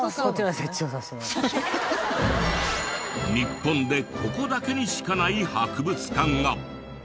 日本でここだけにしかない博物館が。